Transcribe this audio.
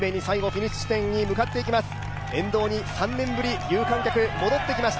沿道に３年ぶり有観客戻ってきました。